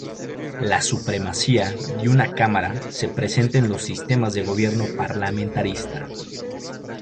La supremacía de una cámara se presenta en los sistemas de gobierno parlamentarista.